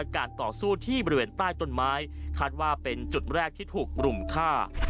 การต่อสู้ที่บริเวณใต้ต้นไม้คาดว่าเป็นจุดแรกที่ถูกรุมฆ่า